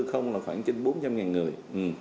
không là khoảng trên bốn trăm linh người